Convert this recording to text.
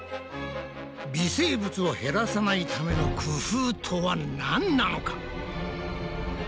微生物を減らさないための工夫とはなんなのか？